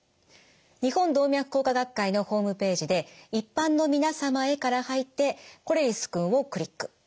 日本動脈硬化学会のホームページで「一般の皆様へ」から入って「これりすくん」をクリック。